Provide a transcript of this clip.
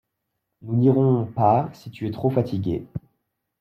Nous n’irons pas si tu es trop fatigué.